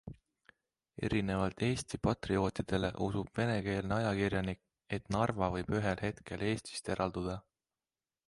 Erinevalt Eesti patriootidele usub venekeelne ajakirjanik, et Narva võib ühel hetkel Eestist eralduda.